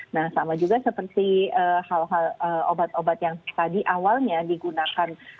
nah sama juga seperti hal hal obat obat yang tadi awalnya digunakan